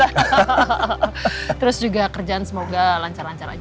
terus juga kerjaan semoga lancar lancar aja